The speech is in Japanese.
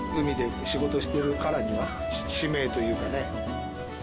海で仕事してるからには使命というかね。